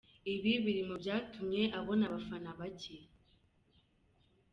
Ibi biri mu byatumye abona abafana bake.